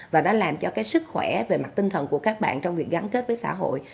và nó làm cho cái sức khỏe về mặt tinh thần của các bạn trong việc gắn kết với xã hội